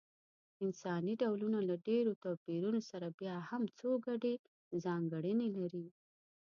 انساني ډولونه له ډېرو توپیرونو سره بیا هم څو ګډې ځانګړنې لري.